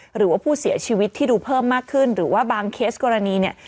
หรือว่าผู้เสียชีวิตที่ดูเพิ่มมากขึ้นหรือว่าบางเคสกรณีเนี่ย